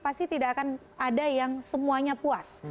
pasti tidak akan ada yang semuanya puas